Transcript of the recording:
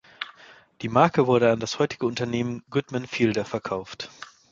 Die Marke wurde an das heutige Unternehmen Goodman Fielder verkauft.